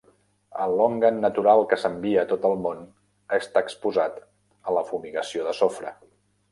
El longan natural que s'envia a tot el món està exposat a la fumigació de sofre.